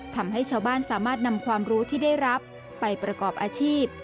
ทำให้ชาวบ้านสามารถนำความรู้ที่ได้รับไปประกอบอาชีพ